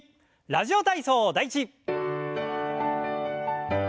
「ラジオ体操第１」。